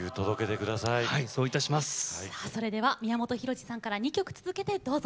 宮本浩次さんから２曲続けてどうぞ。